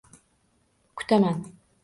Kutaman